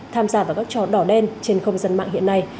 tham gia vào các trò đỏ đen trên không gian mạng hiện nay